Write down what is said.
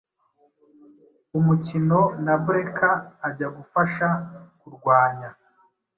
umukino na Breca Ajya gufasha kurwanya